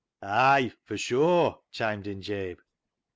" Ay 1 for sure," chimed in Jabe.